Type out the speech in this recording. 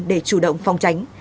để chủ động phong tránh